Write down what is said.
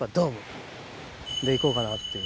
で行こうかなっていう。